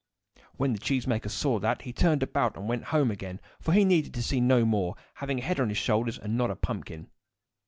When the cheese maker saw that, he turned about and went home again, for he needed to see no more, having a head on his shoulders, and not a pumpkin.